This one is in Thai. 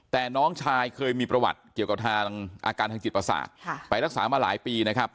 แต่น้องชายเคยมีประวัติเกี่ยวกับทางอาการทางจิตประสาทไปรักษามาหลายปีนะครับ